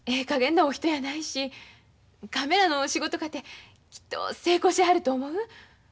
かげんなお人やないしカメラの仕事かてきっと成功しはると思う。